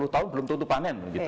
dua puluh tahun belum tentu panen